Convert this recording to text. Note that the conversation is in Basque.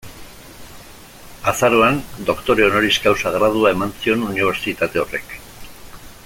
Azaroan, doktore honoris causa gradua eman zion unibertsitate horrek.